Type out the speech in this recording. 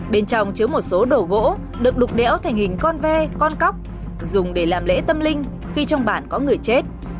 bên trong chứa một số đồ gỗ được đục đẽo thành hình con ve con cóc dùng để làm lễ tâm linh khi trong bản có người chết